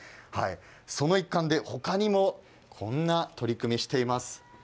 その一環で、他にもこんな取り組みをしています。